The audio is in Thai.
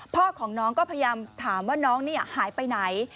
พ่อของน้องก็พยายามถามว่าน้องนี่หายไปไหน